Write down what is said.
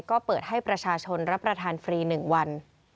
ก็เปิดให้ประชาชนรับประทานฟรี๑วัน